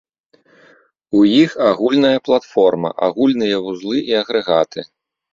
У іх агульная платформа, агульныя вузлы і агрэгаты.